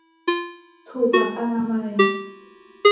ถูกหลักอนามัย